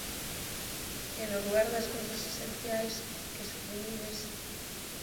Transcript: E no lugar das cousas esenciais que suprimides...